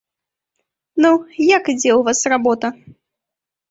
Ну, як ідзе ў вас работа?